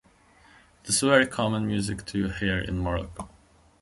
It is very common music to hear in Morocco.